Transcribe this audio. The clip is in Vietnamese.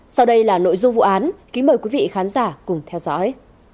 sau đây là nội dung vụ án kính mời quý vị khán giả cùng theo dõi